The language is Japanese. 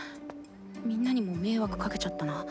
みんなにも迷惑かけちゃったな。